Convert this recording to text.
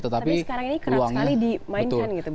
tetapi sekarang ini keras sekali dimainkan gitu